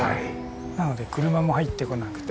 なので車も入ってこなくて。